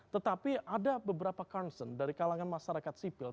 tetapi ada beberapa concern dari kalangan masyarakat sipil